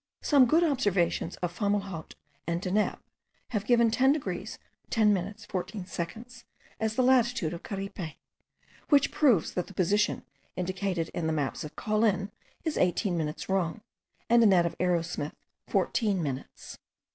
Some good observations of Fomalhaut and of Deneb have given 10 degrees 10 minutes 14 seconds as the latitude of Caripe; which proves that the position indicated in the maps of Caulin is 18 minutes wrong, and in that of Arrowsmith 14 minutes.